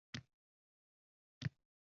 Telbadayin Iblis sharpasi.